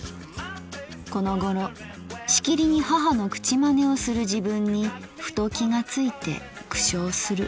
このごろしきりに母の口真似をする自分にふと気がついて苦笑する」。